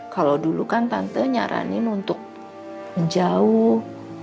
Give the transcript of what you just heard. kalau dulu kan tante nyaranin untuk menjauh